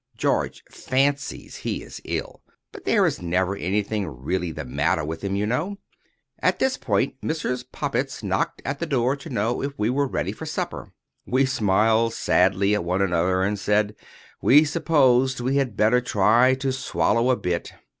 George fancies he is ill; but there's never anything really the matter with him, you know. At this point, Mrs. Poppets knocked at the door to know if we were ready for supper. We smiled sadly at one another, and said we supposed we had better try to swallow a bit.